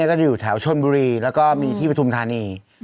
ก็จะอยู่แถวชนบุรีแล้วก็มีที่ปฐุมธานี